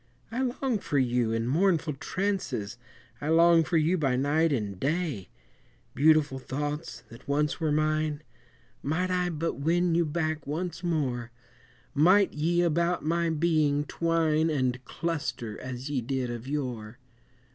I long for you in mournful trances, I long for you by night and day; Beautiful thoughts that once were mine, Might I but win you back once more, Might ye about my being twine And cluster as ye did of yore!